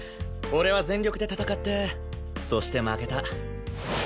俺は全力で戦ってそして負けた。